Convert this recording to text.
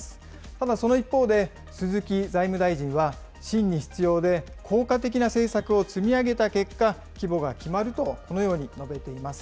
ただその一方で、鈴木財務大臣は真に必要で効果的な政策を積み上げた結果、規模が決まると、このように述べています。